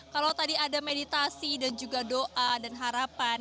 kalau tadi ada meditasi dan juga doa dan harapan